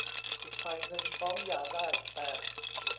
อีกฝ่ายหนึ่งฟ้องหย่าได้ แปด